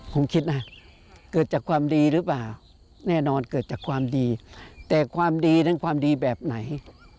ผมคิดนะเกิดจากความดีหรือเปล่าแน่นอนเกิดจากความดีแต่ความดีนั้นความดีแบบไหน